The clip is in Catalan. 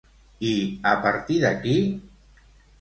I a partir d'aquí?